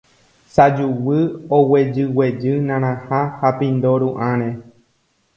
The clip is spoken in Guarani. sajuguy oguejyguejy narãha ha pindo ru'ãre